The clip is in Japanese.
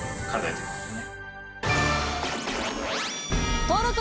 そうですね。